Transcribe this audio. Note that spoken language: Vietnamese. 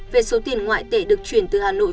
về số tiền ngoại tệ được chuyển từ hà nội